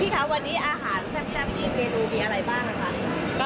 พี่คะวันนี้อาหารแซ่บดีเมนูมีอะไรบ้างครับ